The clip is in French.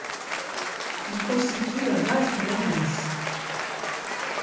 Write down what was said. Il constitue la base du larynx.